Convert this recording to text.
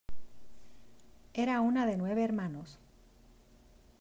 Era una de nueve hermanos.